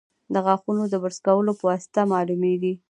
د غاښونو د برس کولو په واسطه معلومېږي.